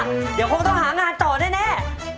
เดี๋ยวคงต้องหางานต่อแน่